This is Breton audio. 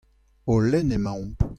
O lenn emaomp.